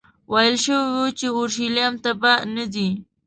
ویل شوي وو چې اورشلیم ته به نه ځې.